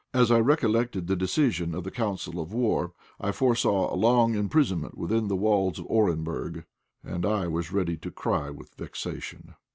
As I recollected the decision of the council of war, I foresaw a long imprisonment within the walls of Orenburg, and I was ready to cry with vexation.